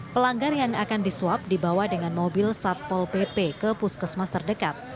pelanggar yang akan disuap dibawa dengan mobil satpol pp ke puskesmas terdekat